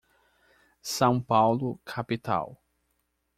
São Paulo capital.